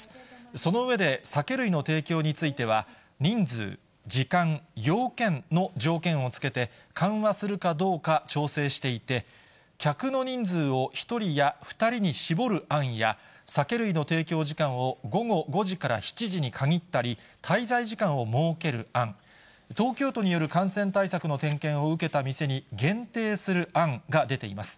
その上で、酒類の提供については、人数、時間、要件の条件を付けて、緩和するかどうか調整していて、客の人数を１人や２人に絞る案や、酒類の提供時間を午後５時から７時に限ったり、滞在時間を設ける案、東京都による感染対策の点検を受けた店に限定する案が出ています。